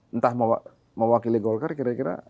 entah mewakili golkar kira kira